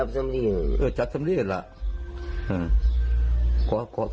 ก่อพี่ฝรีก่อน